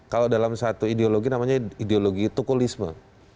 kalau dalam satu ideologi namanya ideologi tukulisme